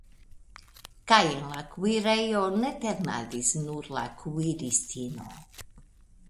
Kaj en la kuirejo ne ternadis nur la kuiristino.